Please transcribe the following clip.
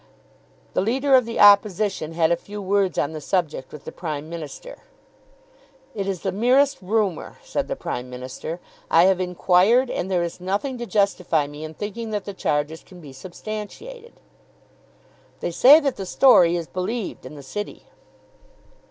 The leader of the Opposition had a few words on the subject with the Prime Minister. "It is the merest rumour," said the Prime Minister. "I have inquired, and there is nothing to justify me in thinking that the charges can be substantiated." "They say that the story is believed in the City."